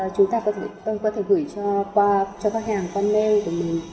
chúng ta có thể gửi cho các khách hàng qua mail của mình